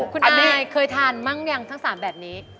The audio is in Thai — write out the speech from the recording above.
คุณอายเคยทานทั้งสามแบบมั่งยัง